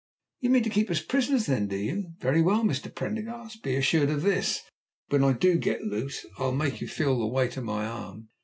"You mean to keep us prisoners, then, do you? Very well, Mr. Prendergast, be assured of this, when I do get loose I'll make you feel the weight of my arm."